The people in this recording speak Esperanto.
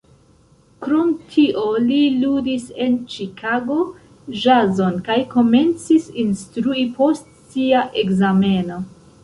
Krom tio li ludis en Ĉikago ĵazon kaj komencis instrui post sia ekzameno.